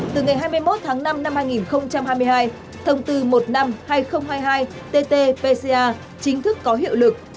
từ ngày hai mươi một tháng năm năm hai nghìn hai mươi hai thông tư một trăm năm mươi hai nghìn hai mươi hai ttpca chính thức có hiệu lực